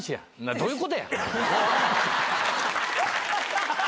どういうことや。